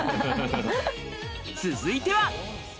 続いては。